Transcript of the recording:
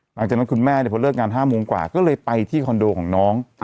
หลังจากนั้นคุณแม่พอเลิกงาน๕โมงกว่าก็เลยไปที่คอนโดของน้อง